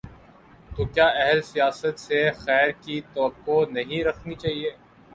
تو کیا اہل سیاست سے خیر کی توقع نہیں رکھنی چاہیے؟